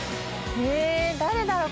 え誰だろう？